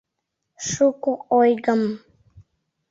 Шуко ойгым